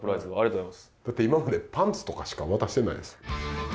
だって今までパンツとかしか渡してないですから。